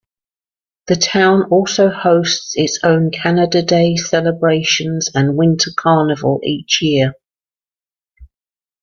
The town also hosts its own Canada Day celebrations and winter carnival each year.